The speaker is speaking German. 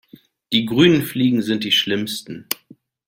Die grünen Fliegen sind die schlimmsten.